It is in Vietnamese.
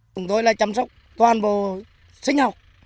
chúng tôi là chăm sóc toàn bộ sinh học